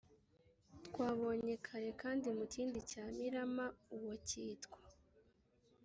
twabonye kare kandi mu kindi cya mirama uwo cyitwa